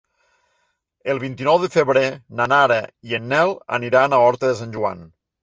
El vint-i-nou de febrer na Lara i en Nel aniran a Horta de Sant Joan.